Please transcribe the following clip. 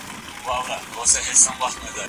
پوهان باید څېړنه وکړي.